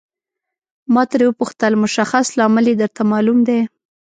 ما ترې وپوښتل مشخص لامل یې درته معلوم دی.